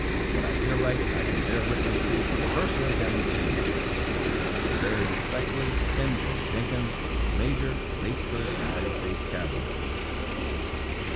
What I here write I can bear witness to from personally having seen. Very respectfully, M. J. Jenkins, Major Late First United States Cavalry.